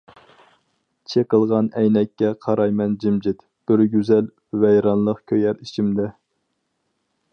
چېقىلغان ئەينەككە قارايمەن جىمجىت، بىر گۈزەل ۋەيرانلىق كۆيەر ئىچىمدە!